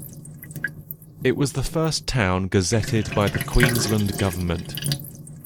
It was the first town gazetted by the Queensland Government.